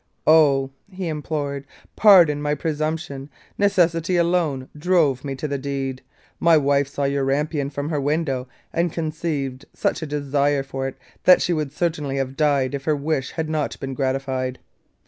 'Oh!' he implored, 'pardon my presumption; necessity alone drove me to the deed. My wife saw your rampion from her window, and conceived such a desire for it that she would certainly have died if her wish had not been gratified.